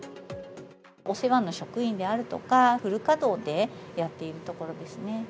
お世話の職員であるとか、フル稼働でやっているところですね。